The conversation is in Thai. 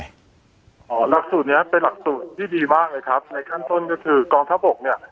หลักสูตรเนี้ยเป็นหลักสูตรที่ดีมากเลยครับในขั้นต้นก็คือกองทัพบกเนี่ย